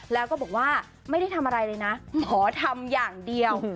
แล้วก็บอกว่าไม่ได้ทำอะไรเลยนะขอทำอย่างเดียว